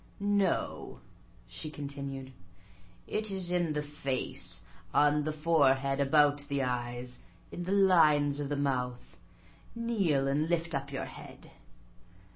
"No," she continued, "it is in the face: on the forehead, about the eyes, in the lines of the mouth. Kneel, and lift up your head."